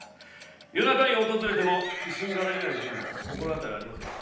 夜中に訪れても不審がられない人物心当たりはありませんか。